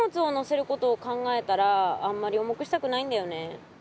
ことを考えたらあんまり重くしたくないんだよね。